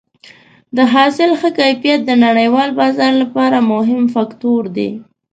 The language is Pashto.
د حاصل ښه کیفیت د نړیوال بازار لپاره مهم فاکتور دی.